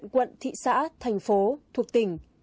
quận thị xã thành phố thuộc tỉnh